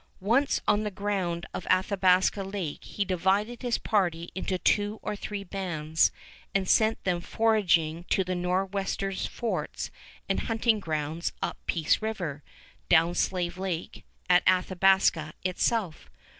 Once on the ground on Athabasca Lake, he divided his party into two or three bands and sent them foraging to the Nor'westers' forts and hunting grounds up Peace River, down Slave Lake, at Athabasca itself.